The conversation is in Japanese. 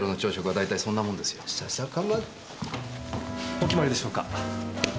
・お決まりでしょうか？